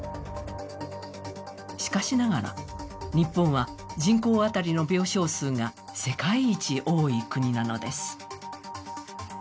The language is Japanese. しかしながら日本は人口当たりの病床数が世界一多い国なのです。